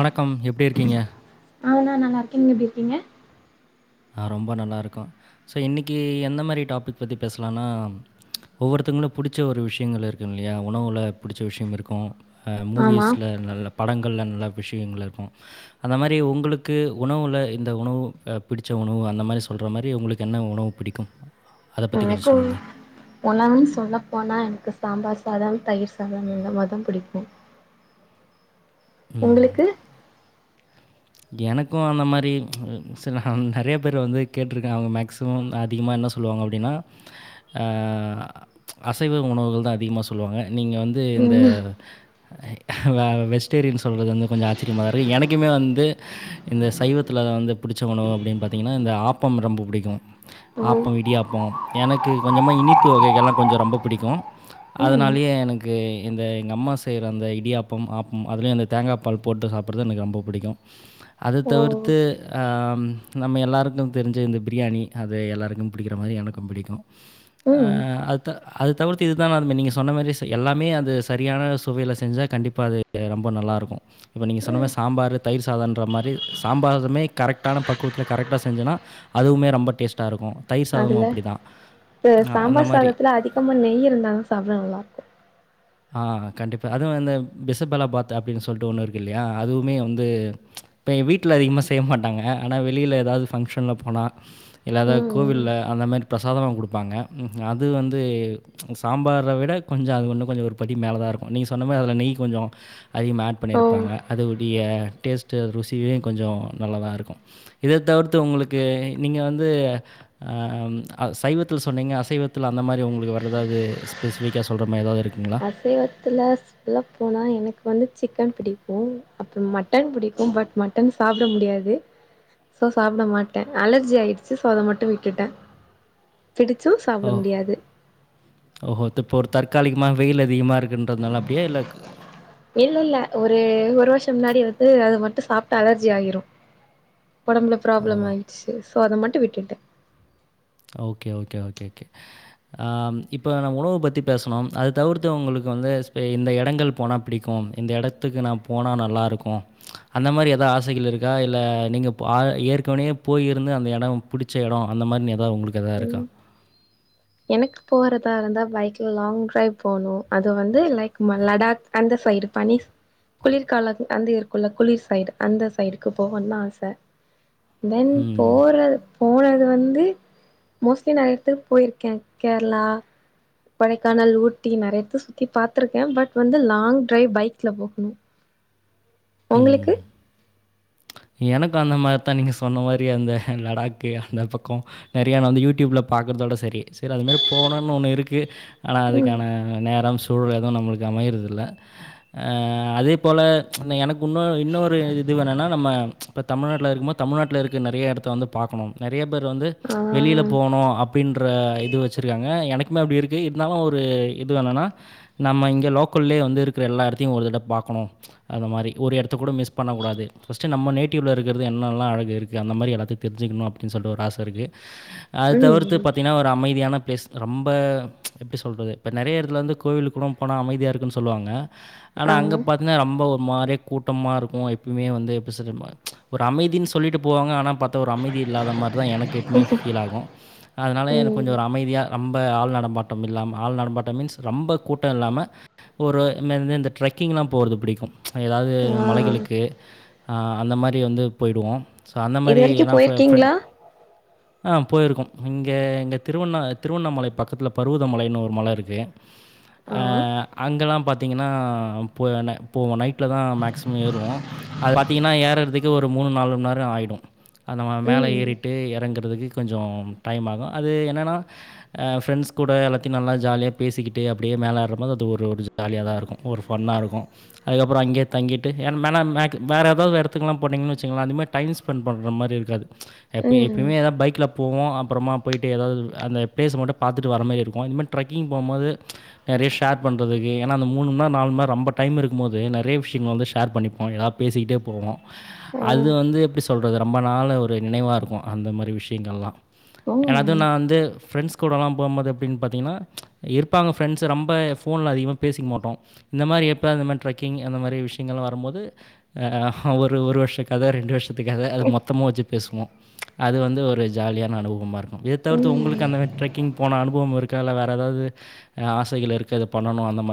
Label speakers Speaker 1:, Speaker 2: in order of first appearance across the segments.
Speaker 1: வணக்கம் எப்படி இருக்கீங்க
Speaker 2: அ நான் நல்லா இருக்கே நீங்க எப்படி இருக்கீங்க
Speaker 1: ஆஹ ரொம்ப நல்லா இருக்கோ சோ இன்னைக்கு எந்த மாதிரி டாபிக் பத்தி பேசலாம்னா ஒவ்வொருத்தங்களும் பிடிச்ச ஒரு விஷயங்கள் இருக்கு இல்லையா உணவுல பிடிச்ச விஷயம இருக்கூ ஹா
Speaker 2: ஆமா
Speaker 1: மூவிஸ்ல நல்ல படங்களல்ல நல்ல விஷயங்கள் இருக்கூ அந்த மாரி உங்களுக்கு உணவுல இந்த உணவு பிடிச்ச உணவு அந்த மாரி சொல்ற மாரி உங்களுக்கு என்ன உணவு பிடிக்கூ
Speaker 2: எனக்கு உணவு சொல்ல போனா எனக்கு சாம்பார் சதம் தயிர் சாதம் இந்த மாதி பிடிக்கூ
Speaker 1: ம்.
Speaker 2: உங்களுக்கு
Speaker 1: எனக்கும் அந்த மாதிரி சில நிறைய பேர் வந்து கேட்டிருக்கே அவங்க மேக்சிமம் அதிகமாக என்ன சொல்லுவாங்க அப்படின்னா அசைவ உணவுகள் தா அதிகமா சொல்லுவாங்க நீங்க வந்து இந்த
Speaker 2: ம்
Speaker 1: வ வெஜிடேரியன் சொல்றது வந்து கொஞ்சம் ஆச்சரியமா தா இருக்கு எனக்குமே வந்து இந்த சைவத்தில்ல வந்து பிடிச்ச உணவு அப்படின்னு பார்த்தீங்கன்னா இந்த ஆப்பம் ரொம்ப பிடிக்கும்
Speaker 2: ஓ
Speaker 1: ஆப்பம் இடியாப்பம் எனக்கு கொஞ்சமா இனிப்பு வகைகள்லா கொஞ்சம் ரொம்ப பிடிக்கும்
Speaker 2: ம்
Speaker 1: அதனாலயே எனக்கு இந்த எங்க அம்மா செய்கிற அந்த இடியாப்பம் ஆப்பம் அதுலேயும் அந்த தேங்காய் பால் போட்டு சாப்பிட்றது எனக்கு ரொம்ப பிடிக்கும் அத
Speaker 2: ஓ
Speaker 1: தவிர்த்து ஆ நம்ம எல்லாருக்கும் தெரிஞ்ச இந்த பிரியாணி அது எல்லாருக்கும் பிடிக்கிற மாதிரி எனக்கும் பிடிக்கும் அ
Speaker 2: ம்
Speaker 1: அத்த அது தவிர்த்து இதுதான நீங்க சொன்ன மாதிரி எல்லாமே அது சரியான சுவையில செஞ்சா கண்டிப்பா அது ரொம்ப நல்லா இருக்கும் இப்போ நீங்க சொன்னமாரி சாம்பார் தயிர் சாதம்ன்ற மாதிரி சாம்பார்மே கரெக்டான பக்குவத்தில்ல கரெக்டா செஞ்சுனா அதுவுமே ரொம்ப டேஸ்ட்டா இருக்கும் தயிர் சாதமும்
Speaker 2: அதுல
Speaker 1: அப்படிதான்.
Speaker 2: இந்த
Speaker 1: அ அந்த
Speaker 2: சாம்பார்
Speaker 1: மாரி.
Speaker 2: சாதத்துல அதிகமா நெய் இருந்தாதா சாப்பிட நல்லா இருக்கும்
Speaker 1: ஆ கண்டிப்பா அதுவும் அந்த பிசபலாபாத் அப்படின்னு சொல்லிட்டு ஒன்னு இருக்கு இல்லையா அதுவுமே வந்து இப்போ வீட்டில்ல அதிகமா செய்ய மாட்டாங்க ஆனா வெளியில்லஏதாவது ஃபங்க்ஷனில் போனா இல்ல எதாவது
Speaker 2: ம் ம்
Speaker 1: கோவிலில் அந்த மாதிரி பிரசாதமாக கொடுப்பாங்க அது வந்து சாம்பார விட கொஞ்சம் இன்னும் கொஞ்சம் ஒரு படி மேலே தா இருக்கும் நீங்க சொன்ன மாறி அதில் நெய் கொஞ்சம் அதிகமாக அட்
Speaker 2: ஓ
Speaker 1: பண்ணியிருப்பாங்க அது உடைய டேஸ்ட்டு ருசியும் கொஞ்சம் நல்லாதா இருக்கும் இத தவிர்த்து உங்களுக்கு நீங்க வந்து சைவத்தில் சொன்னிங்க அசைவத்தில் அந்த மாதிரி உங்களுக்கு வேர் எதாவது ஸ்பெசிஃபிக்காக சொல்கிற மாதிரி ஏதாவது இருக்குங்களா
Speaker 2: அசைவத்துல சொல்ல போனா எனக்கு வந்து சிக்கன் பிடிக்கும் அப்புறம் மட்டன் பிடிக்கும் பட் மட்டன் சாப்பிட முடியாது சோ சாப்பிட மாட்டே அலர்ஜி ஆயிடுச்சு சோ அத மட்டும் விட்டுட்டே பிடிச்சு சாப்பிட
Speaker 1: ஓஹோ
Speaker 2: முடியாது
Speaker 1: ஓஹோ! இப்போ ஒரு தற்காலிகமா வெயில் அதிகமா இருக்குன்றதுனால அப்படியா இல்ல
Speaker 2: இல்ல இல்ல ஒரு ஒரு வருஷம் முன்னாடி வந்து அது மட்டும் சாப்பிட்டா அலர்ஜி ஆயிரும் உடம்புல
Speaker 1: ஓ!
Speaker 2: ப்ராப்ளம் ஆகிடுச்சு சோ அத மட்டும் விட்டுட்டே
Speaker 1: ஓகே ஓகே ஓகே ஓகே இப்போ நம் உணவ பத்தி பேசணோ அத தவிர்த்து உங்களுக்கு வந்து இந்த இடங்கள் போனா பிடிக்கும் இந்த இடத்துக்கு நா போன நல்லாருக்கும் அந்த மாதிரி எதாவது ஆசைகள் இருக்கா இல்ல நீங்கள் ஏற்கனவே போய்யிருந்து அந்த இடம் பிடிச்ச இடம் அந்த மாதிரி உங்களுக்கு ஏதா இருக்கா
Speaker 2: ம் எனக்கு போறதா இருந்தா பைக்ல லாங் டிரைவ் போணும் அது வந்து லைக் லடாக் அந்த சைடு பனி குளிர்கால அந்த இருக்குள்ள குளிர் சைடு அந்த சைடுக்கு போகணும்னு ஆச தென்
Speaker 1: ம்.
Speaker 2: போற போன வந்து மோஸ்ட்லி நிறைய இடத்துக்கு போயிருக் கேரளா கொடைக்கானல் ஊட்டி நிறையத்த சுத்தி பாார்த்திருக்கே பட் வந்து லாங் டிரைவ் பைக்ல போகணும்
Speaker 1: ம்.
Speaker 2: உங்களுக்கு
Speaker 1: எனக்கும் அந்த மாதிரிதா நீங்க சொன்ன மாதிரி அந்த லடாக்கு அந்த பக்கம் நிறைய நா வந்து யூடியூப்ல பாக்கறதோட சரி சரி அது மாதிரி போணும்னு ஒண்ணு இருக்கு ஆனா
Speaker 2: ம்
Speaker 1: அதுக்கான நேரம் சூழலெதுவும் நம்மளுக்கு அமையிறதில்ல ஆ அதே போல ச் எனக் உன்னொ இன்னொரு இது வேணுன்னா நம்ம இப்போ தமிழ்நாட்ல இருக்கும்போ தமிழ்நாட்ல இருக்க நெறைய எடத்த வந்து பாக்கணும் நெறைய பேர் வந்து ச் வெளியில
Speaker 2: ஆ
Speaker 1: போனோ அப்படின்ற இது வச்சிருக்காங்க எனக் மே அப்படி இருக்கு இருந்தாலு ஒரு இதுவென்னனா நம்ம இங்க லோக்கல்லே வந்துருக்ற எல்லா எடத்தையு ஒரு தட பாக்கணும் ச் அந்த மாரி ஒரு எடத்த கூட மிஸ் பண்ணக்கூடாது ஃபஸ்ட் நம்ம நேட் டிவ்ல இருக்றது என்னெல்லா அழகு இருக்கு அந்த மாரி எதாத்தையு தெரி்ஞ்சக்கணு அப்டின் சொல்ற ஒரு ஆச இருக்கு அது தவிர்த்து
Speaker 2: ம்
Speaker 1: பாத்தீங்கன்னா ஒரு அமைதியான பிளேஸ் ரொம்ப ச் எப்டி சொல்றது இப்ப நெறைய எடத்துல வந்து கோவிலுகூ போனா அமைதியா இருக்குன் சொல்லுவாங்க ஆனா
Speaker 2: ஆமா
Speaker 1: அங்க பாத்தின்னா ரொம்ப மாரே கூட்டமாருக்கூ எப்புமே வந்து எப்டி [unintelligible] ச் ஒரு அமைதின்னு சொல்லிட்டு போவாங்க ஆனா பாத்தா ஒரு அமைதி இல்லாத மாதிதா எனக்கு எப்புமே ஃபீல் ஆகு அதனால
Speaker 2: ம்
Speaker 1: எனக்கொஞ்சம் ஒரு அமைதியா ரொம்ப ஆள் நடம்மாட்டம் இல்லாம ஆள் நடம்மாட்டம் மீன்ஸ் ரொம்ப கூட்ட இல்லாம ஒரு இன்ன இந்த ட்ரெக்கிங்லா போறது புடிக்கூ ச் எதாவது
Speaker 2: ஆ
Speaker 1: மலைகளுக்கு ஆ அந்த மாரி ப்டி வந்து போயிடுவோ ஸோ அந்த
Speaker 2: இது
Speaker 1: மாரி
Speaker 2: வரைக்கு
Speaker 1: ஏன்னா ஃபெ ஃபெ
Speaker 2: போயிருக்கீங்களா
Speaker 1: ஆ போயிருக்கோ இங்க எங்க திருவண்ணா திருவண்ணாமலை பக்கத்ல பருவதமலைன்னு ஒரு மல இருக்கு
Speaker 2: ஆ
Speaker 1: அஹ் அங்கெலாம் பாத்தீங்கன்னா போன போவோ நைட்ல தான் மேக்சிமம் ஏறுவோம அது பாத்தீங்கன்னா ஏறரதுக் ஒரு மூணு நாலு மண்நேரோ ஆயிடும் அந்த மேலே
Speaker 2: ம்
Speaker 1: ஏறிட்டு எறங்குறதுகு கொஞ்சோ டைம் ஆகு அது என்னென்னா அ ஃப்ரெண்ட்ஸ் கூட எல்லாத்தையு நல்லா ஜாலியா பேசிக்கிட்டு அப்படியே மேலேறபோது அது ஒரு ஒரு ஜாலியா தா இருக்கும் ஒரு ஃபன்னாருக்கும் அதுக்கப்புறம் அங்கே தங்கிட்டு ஏன்ன மேல மேக் வேற ஏதாவது எடத்துக்லாம் போனெங்ன்ன வச்சுக்கங்களே அந்த மாரி டைம் ஸ்பெண்ட் பண்ற மாரி இருக்காது ச் எப்பை
Speaker 2: ம்
Speaker 1: எப்பயுமே ஏத பைக்ல போவோ அப்பறமா போய்ட்டு எதாவது அந்த பிளேஸ மட்டும் பாத்துட்டு வர மாரி இருக்கு இந்த மாரி ட்ரக்கிங் போம்போது ச் நெறைய ஷேர் பண்றதுக்கு ஏன்னா அந்த மூனும்நேரொ நாலும்நேரொ ரொம்ப டைம் இருக்கும்போது நெறைய விஷயங்கள் வந்து ஷேர் பண்ணிப்போ ஏதாவது பேசிக்கிட்டே போவோ
Speaker 2: ஆ
Speaker 1: அது வந்து எப்டி சொ சொல்றது ரொம்ப நாள ஒரு நெனைவாருக்கும் அந்த மாரி விஷயங்கள்ளாம் ஏனது
Speaker 2: ம்
Speaker 1: நா வந்து ஃப்ரெண்ட்ஸ் கூடலா போம்போது அப்டின்னு பாத்திங்ன்னா ச் இருப்பாங்க ஃப்ரெண்ட்ஸ் ரொம்ப ஃபோன்ல அதிகமாக பேசிக்க மாட்டோம் இந்த மாரி எப்போ அந்த மாரி ட்ரக்கிங் அந்த மாரி விஷயங்கள்ளா வரும்போது ஆ அ ஒரு ஒரு வருஷக்கத ரெண்டு வருஷ துக்கத அது மொத்தமா வச்சுட் பேசுவோ அது வந்து ஒரு ஜாலியான அனுபவமாகருக் எதத்தவிர்த்து உங்களுக்கு
Speaker 2: ம்
Speaker 1: அந்த ட்ரக்கிங் போன அனுப் போ இருக்கல்ல வேற ஏதாவது ஆசைகள் இருக்கது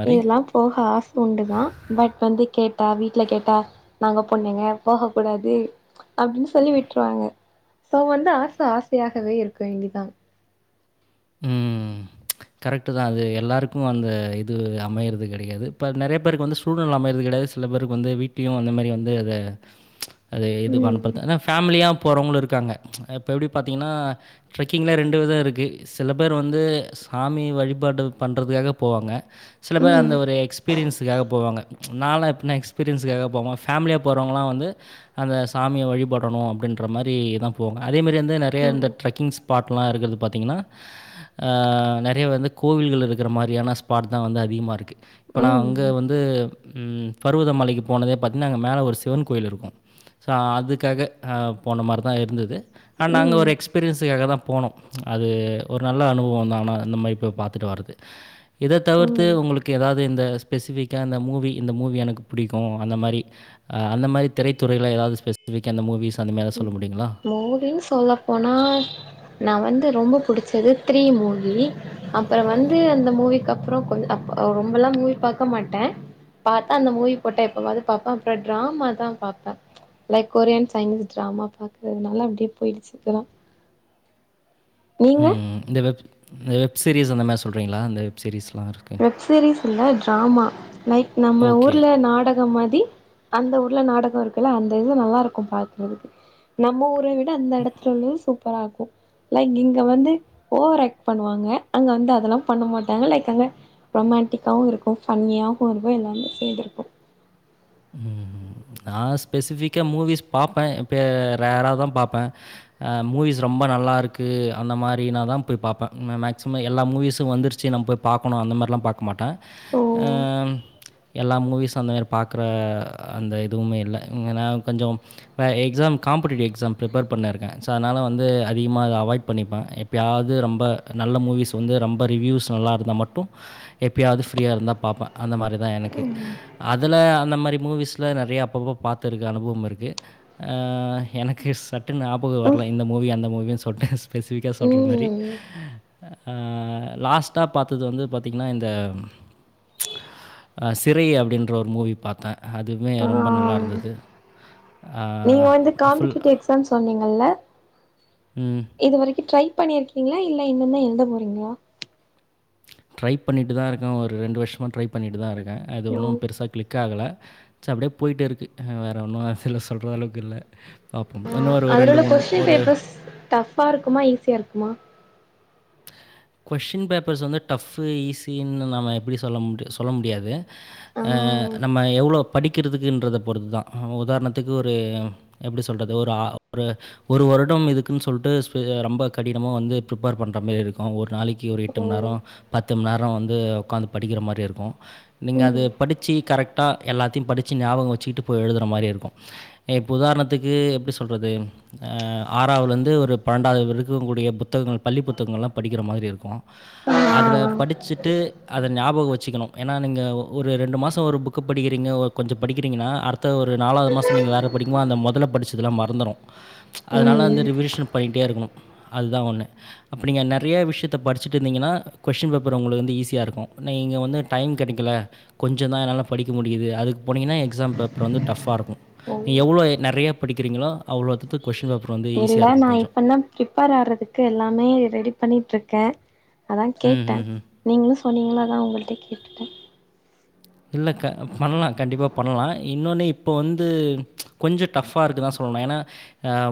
Speaker 2: இதெல்லா போக ஆச உண்டுதான் பட் வந்து கேட்டாவி வீட்டுல கேட்டா நாங்க பொண்ணுங்க போக கூடாது அப்டின்னு சொல்லி விட்டுருவாங்க சோ வந்து ஆச ஆசயாகவே இருக்கூ இங்கதான்
Speaker 1: ம் கரெக்ட் தான் அது எல்லாருக்கும் அந்த இது அமையது கெடையாது இப்ப நிறைய பேருக்கு வந்து ஸ்டூடெல் அமையறது கிடையாது சில பேருக்கு வந்து வீட்டயையும் அந்த மாரி வந்து அதை அது இது
Speaker 2: ம்
Speaker 1: பண்ணப்பறதுான் அன ஃபேமிலியா போகிறவங்களும் இருக்காங்க இப்போ எப்படி பார்த்தீங்கன்னா ட்ரெக்கிங்க்ல்ாம் ரெண்டு விதம் இருக்குது சில பேர் வந்து சாமி வழிபாடு பண்ணுறதுக்காக போவாங்க சில பேர்
Speaker 2: ம்
Speaker 1: அந்த ஒரு எக் எக்ஸ்பீரியன்ஸுக்காக போவாங்க ச் நால் எப்டின்னா எஸ்பீரியன்ஸுக்காக போவாம ஃபேமிலியாக போறவங்கலாம் வந்து அந்த சாமிய வழிபடணும் அப்டின்ற மாரி தான் போவாங்க அதேமாரி வந்து நெறைய இந்த
Speaker 2: ம்
Speaker 1: ட்ரெக்கிங் ஸ்பாட்லாம் இருக்கறது பாத்திங்ன்னா ஆஹ் நெறைய வந்து கோவில்கள் இருக்கிற மாரியான ஸ்பாட் தான் வந்து அதிகமா இருக்கு இப்ப நான்
Speaker 2: ம்
Speaker 1: அங்க வந்து ம் பருவதமலைக்கு போனதே பாத்தீங்கனா அங்க மேல ஒரு சிவன் கோயில் இருக்கும் ஸோ அதுக்காக போன மாரி தான் இருந்தது ஆஹ் நாங்க
Speaker 2: ம்
Speaker 1: ஒரு எக்ஸ்பீரியன்ஸ் க்காக தான் போனோம் அது ஒரு நல்ல அனுபவம் தான் ஆனா இந்த மாரி போய் பாத்துட்டு வரது இத தவிர்த்து
Speaker 2: ம்
Speaker 1: உங்களுக்கு ஏதாவது இந்த ஸ்பெசிபிக்கா இந்த மூவி இந்த மூவி எனக்கு புடிக்கும் அந்த மாரி அந்த மாரி திரைத்துறையில ஏதாவது ஸ்பெசிபிக்கா இந்த மூவிஸ் அந்த மாரி ஏதாவது சொல்ல முடியுங்களா?
Speaker 2: மூவின்னு சொல்ல போனா நான் வந்து ரொம்ப புடிச்சது த்ரீ மூவி அப்புறம் வந்து அந்த மூவிக்கு அப்புறம் கொஞ்ச அப்ப ரொம்பலாம் மூவி பாக்க மாட்டேன் பாத்தா அந்த மூவி போட்டா எப்போவாவது பாப்பேன் அப்புறம் டிராமா தான் பாப்பேன் லைக் கொரியன் சைனீஸ் டிராமா பாக்குறதுனால அப்டியே போய்டுச்சு இப்பலாம்
Speaker 1: உம் இந்த வெப் [unintelligible] சீரிஸ் அந்த மாரி சொல்றீங்களா அந்த வெப் சீரிஸ்
Speaker 2: வெப் சீரிஸ் இல்ல டிராமா லைக் நம்ம
Speaker 1: ஓகே.
Speaker 2: ஊர்ல நாடகம் மாதி அந்த ஊர்ல நாடகம் இருக் குல அந்த இது நல்லாருக்கும் பாக்குறதுக்கு நம்ம ஊர வி டு அந்த இடத்துல உள்ளது [unintelligible] சூப்பரா இருக்கும் லைக் இங்க வந்து ஓவர் ஆக்ட் பண்ணுவாங்க அங்க வந்து அதல்லாம் பண்ண மாட்டாங்க லைக் அங்க ரொமாண்டிக்காவும் இருக்கும் ஃபன்னியாவும் இருக்கும் எல்லாமே சேந்திருக்கும்
Speaker 1: நான் ஸ்பெசிஃபிக்கா மூவிஸ் பாப்பேன் இப்பய ரேரா தான் பாப்பேன் ஆஹ் மூவிஸ் ரொம்ப நல்லா இருக்கு அந்த மாரி நாதான் போய் பாப்பேன் மே மேக்ஸிமம் எல்லா மூவிஸும் வந்துருச்சு நம்ம போய் பாக்கணும் அந்த மாரிலா பாக்க மாட்டேன்
Speaker 2: ஓ
Speaker 1: ஆஹ் எல்லா மூவிஸு அந்த மாரி பாக் கற அந்த இதுவுமே இல்ல இங்க நான் கொஞ்சம் ஆஹ் எக்ஸாம் காம்படேட்டிவ் எக்ஸாம் ப்ரிப்பர் பண்ணிருக்கேன் ஸோ அதுனால வந்து அதிகமா அத அவாய்ட் பண்ணிப்பேன் எப்பயாவது ரொம்ப நல்ல மூவிஸ் வந்து ரொம்ப ரிவ்யூஸ் நல்லா இருந்தா மட்டும் எப்பயாவது ஃப்ரீயா இருந்தா பாப்பேன் அந்த மாரி தான் எனக்கு அது இதுல அந்த மாரி மூவிஸ்லா நெறையா அப்பப்ப பாத்துருக்கே அனுபவம் இருக்கு ஆஹ் எனக்கு சட்டுனு ஞாபகம் வரல இந்த மூவி அந்த மூவின்னு சொல்ட்டு ஸ்பெசிஃபிக்கா சொல்ற மாரி
Speaker 2: ம்
Speaker 1: ஆஹ் ஆஹ் லாஸ்ட்டா பாத்தது வந்து பாத்தீங்கன்னா இந்த ச் சிறை அப்படின்ற ஒரு மூவி பாத் தே அதுவுமே
Speaker 2: ஆ
Speaker 1: ரொம்ப நல்லா இருந்தது
Speaker 2: நீங்க வந்து
Speaker 1: ஃபுல்
Speaker 2: காம்படேட்டிவ் எக்ஸாம் சொன்னீங்கல்ல
Speaker 1: ம்
Speaker 2: இதுவரைக்கு ட்ரை பண்ணிருக்கீங்களா இல்ல இன்னுமே எழுத போறீங்களா
Speaker 1: ட்ரை பண்ணிட்டு தா இருக்கே ஒரு ரெண்டு வருஷமா ட்ரை பண்ணிட்டு தா இருக் கே அது
Speaker 2: யோ
Speaker 1: ஒன்னு பெருசா க்ளிக் ஆகல ச அப்டியே போய்ட்டே இருக்கு வேற ஒன்னு அதுல சொல்ற அளவுக்கு இல்ல பார்ப்போம். இன்னும்
Speaker 2: ஆஹ்
Speaker 1: ஒரு
Speaker 2: அதுல உள்ள கொஸ்டின்
Speaker 1: ஒரு
Speaker 2: பேப்பர்ஸ் டஃபா இருக்குமா ஈஸியா இருக்குமா
Speaker 1: கொஷ்டின் பேப்பர்ஸ் வந்து டஃபு ஈஸீனு நம்ம எப்டி சொல்ல மு சொல்ல முடியாது ஆ நம் நான் எவ்ளோ படிக்கிறதுன்றத பொறுத்து தான் ஆ உதாரணத்துக்கு ஒரு எப்டி சொல்கிறது ஒரு ஒரு ஒரு வருடம் இதுக்குன்னு சொல்லிட்டு ரொம்ப கடினமாக வந்து பிரிப்பேர் பண்ணுற மாரி இருக்கு ஒரு நாளைக் ஒரு எட்டு
Speaker 2: ஓ
Speaker 1: மணி நேரம் பத்து பத்து மணி நேரம் வந்து உக்காந்து படிக்கிற மாரி இருக்கும் நீங்க அது
Speaker 2: ம்
Speaker 1: படிச்சி கரெக்டா எல்லாத்தையும் படிச்சி ஞாபகம் வச்சுக்கிட்டு போய் எழுதுற மாரி இருக்கும் இப்போ உதாரணத்துக்கு எப்டி சொல்கிறது ஆறாவதுலேந்து ஒரு பன்னெண்டாவது வரைக்கும் இருக்கக்கூடிய புத்தகங்கள் பள்ளி புத்தகங்களெல்லா படிக்குறமாதிரி இருக்கும்
Speaker 2: ஆ
Speaker 1: அதுல
Speaker 2: ஆ
Speaker 1: படிச்சிட்டு அத ஞாபகம் வச்சிக்கணும் ஏனா நீங்க ஒரு ரெண்டு மாசம் ஒரு புக்க படிகிறீங்க ஒ கொஞ்சோ படிக்கிறிங்கனா அடுத்த ஒரு நாலாவது மாசம் நீங்க வேற படிக்குபோ அந்த மொதல படிச்சதெல்லா மறந்துறும் ச்ச அதுனால இந்த
Speaker 2: ம்
Speaker 1: ரிவிஷன் பண்ணிட்டேஇருக்கனும் அதுதா ஒன்னு அப்டின நெறையா விஷயத்தை படிச்சுட்டு இருந்தீங்கனா கொஷின் பேப்பர் உங்களுக்கு வந்து ஈஸியாக இருக்கும் நீங்க வந்து டைம் கெடைக்கல கொஞ்சோ தா என்னால படிக்க முடியுது அதுக்கு போனிங்கனா எக்ஸாம் பேப்பர் வந்து டஃப்பா இருக்கும்
Speaker 2: ஓ
Speaker 1: நீங்க எவ்ளோ நெறையா படிக்கிறீங்களோ அவ்ளோத்துக்கு
Speaker 2: இல்ல நா இப்பனா பிரிப்பேர் ஆறதுக்கு எல்லாமே ரெடி பண்ணிட்டுருக்கே அதா
Speaker 1: ம்,
Speaker 2: கேட்டேன்
Speaker 1: ம், ம்.
Speaker 2: நீங்களும் சொன்னீங்கலனாதான் உங்கள்ட்ட கேட்
Speaker 1: இல்ல க பண்லா கண்டிப்பாக பண்லா இன்னொன்னு இப்போ வந்து கொஞ்சோ டஃப்ஃபா இருக்குதா சொல்லனும் ஏனா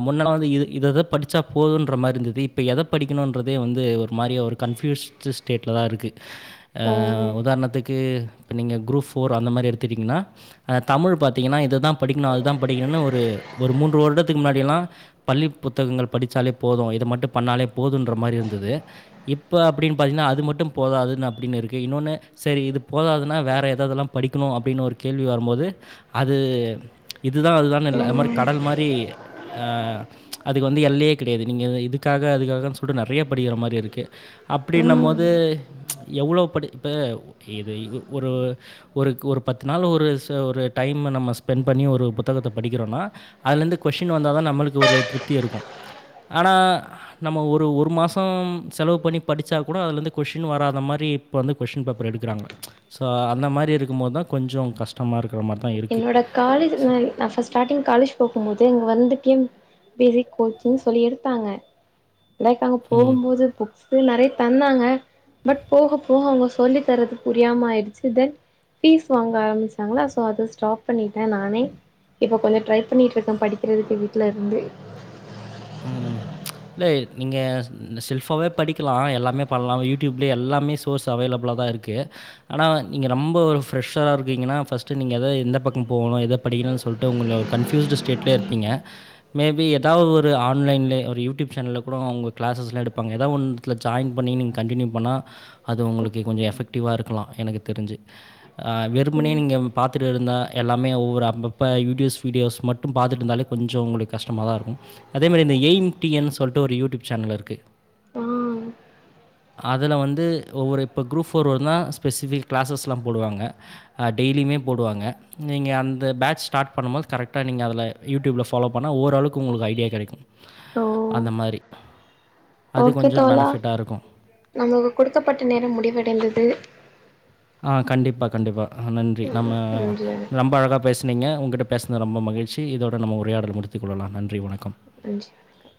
Speaker 1: முன்னெல்லா வந்து இது இத இத படிச்சா போதுன்ற மாரி இருந்தது இப்போ எதை படிக்கணுன்றதே வந்து ஒரு மாரியே ஒரு கன்ஃப்யூஸ்ட்டு ஸ்டேட்ல தான் இருக்குது
Speaker 2: ஓ
Speaker 1: உதாரணத்துக்கு நீங்க குரூப் ஃபோர் அந்த மாரி எடுத்துட்டீங்கனா தமிழ் பாத்திங்கனா இது தான் படிக்கணும் அது தான் படிக்கணும்னு ஒரு மூன்று வருடத்துக்கு முன்னாடியெல்லா பள்ளி புத்தகங்கள் படிச்சாலே போதும் இத மட்டும் பண்ணாலே போதுன்ற மாரி இருந்தது இப்போ அப்டின்னு பாத்தீங்கனா அது மட்டும் போதாதுன்னு அப்டின்னு இருக்கு இன்னொன்னு செரி இது போதாதுன்னா வேற ஏததெல்லாம் படிக்கணும் அப்டின்னு ஒரு கேள்வி வரும்போது அது இது இதுதா அதுதானு இல்ல அது மாரி
Speaker 2: ம்
Speaker 1: கடல் மாரி அ அதுக்கு வந்து எல்லையே குடையாது நீங்க இதுக்காக அதுக்காகன் சொல்ட்டு நறைய படிக்கிற மாரி இருக்கு
Speaker 2: ம்
Speaker 1: அப்டினம்மோது எவ்ளோ படி இப்ப இது [unintelligible] ஒரு ஒருக் ஒரு பத்து நாள் ஒரு ச ஒரு டைம்ம நம்ம ஸ்பெண்ட் பண்ணி ஒரு புத்தகத்த படிக்கிறோனா அதுலந்து கொஷின் வந்தா தா நம்மளுக்கு ஒரு திருப்தி இருக்கோ ஆனா நம்ம ஒரு ஒரு மாசோம் செலவு பண்ணி படிச்சா கூட அதுலந்து கொஷின் வராத மாரி இப்போ வந்து கொஷின் பேப்பர் எடுக்குறாங்க சோ அந்த மாரி இருக்கும்போது தா கொஞ்சோ கஷ்டமா இருக்
Speaker 2: என்னோட காலேஜ் ம் நா ஃபர்ஸ்ட் ஸ்டார்டிங் காலேஜ் போகும் போது எங்க வந்துக்கேம் பேசிக் கோச்சிங் சொல்லி எடுத்தாங்க லைக் அங்க
Speaker 1: ம்.
Speaker 2: போகும்போது புக்ஸ் ம் நறைய தந்தாங்க பட் போக போக அவங்க சொல்லி தரது புரியாம ஆயிடுச்சு தென் ஃபீஸ் வாங்க ஆரம்மிச்டாங்களா சோ அது ஸ் ஸ்டாப் பண்ணிட்டே நானே இப்ப கொஞ்சோ ட்ரை பண்ணிட்ருக்க படிக்கிறதுக்கு வீட்ல இருந்து
Speaker 1: ம் இல்ல நீங்க இந்த செல்ஃபாவே படிக்கிலா எல்லாமே பண்லா யூடியூப்லேயே எல்லாமே சோர்ஸ் அவைலபுளா தா இருக்கு ஆனா நீங்க ரொம்ப ஒரு ஃப்ரெஷ்ஷரா இருக்கீங்கனா ஃபர்ஸ்ட்டு நீங்க எத எந்த பக்கம் போகணு எத படிக்கலானு சொல்ட்டு உங்கள்ள ஒரு கன்ஃபியூஸ்டு ஸ்டேட்லே இருப்பீங்க மேபி ஏதாவது ஒ ஒரு ஆன்லைன்லே ஒரு யூடியூப் சேனல்ல கூட அவங்க கிளாஸஸ்லா எடுப்பாங்க எதா ஒன்த்துல ஜாயின் பண்ணி நீங்க கண்டினியூ பண்ணா அது உங்களுக்கு கொஞ்சோ எஃபெக்டிவா இருக்கலா எனக்கு தெரிஞ்சு ஆ வெறும்புனே
Speaker 2: ம்
Speaker 1: நீங்க பாத்துட்டு இருந்தா எல்லாமே ஒவ்வொரு அப்பப்போ யூடியூஸ் வீடியோஸ் மட்டூ பாத்துட்டு இந்தாலே கொஞ்சோ உங்களுக்கு கஷ்டமா தா இருக்கும் அதேமாரி இந்த எய்ம் டின்னு சொல்ட்டு ஒரு யூடியூப் சேனல் இருக்கு
Speaker 2: ஆ
Speaker 1: அதுல வந்து ஒவ்வொரு இப்போ குரூப் ஃபேர் வருதுன்னா ஸ்பெசிஃபிக் கிளாஸஸ்ல்லா போடுவாங்க ஆ டெய்லியுமே போடுவாங்க நீங்க அந்த பேட்ச் ஸ்டார்ட் பண்ணுபோது கரெக்டா நீங்க அதுல யூடியூப்ல ஃபாலோ பண்ணா ஓரருளவுக்கு உங்குளுக்கு ஐடியா கெடைக்கும்
Speaker 2: ஓ
Speaker 1: அந்த மாரி அது
Speaker 2: ஓகே
Speaker 1: கொஞ்சம்
Speaker 2: தோழா
Speaker 1: பெனிஃபிட்டா இருக்கும்.
Speaker 2: நமளுக்கு குடுக்கப்பட்ட நேரம் முடிவடைந்தது
Speaker 1: ஆ கண்டிப்பா கண்டிப்பா ஆ நன்றி நம்ம
Speaker 2: நன்றி
Speaker 1: ரொம்ப அழகா பேஸ்னீங்க உ கிட்ட பேஸ்ன ரொம்ப மகிழ்ச்சி இதோட நம்ம உரையடல முடித்து கொள்ளலா நன்றி வணக்கம்
Speaker 2: நன்றி வணக்கம்